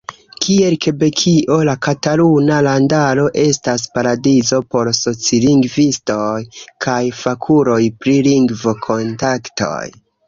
Kiel Kebekio, la Kataluna Landaro estas paradizo por socilingvistoj kaj fakuloj pri lingvo-kontaktoj.